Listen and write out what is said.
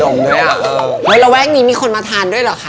ในระหว่างมีคนมาทานด้วยเหรอค่ะ